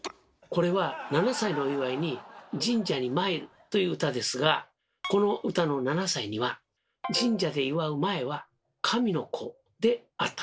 これは７歳のお祝いに神社に参るという歌ですがこの歌の「７歳」には神社で祝う前は「神の子」であった。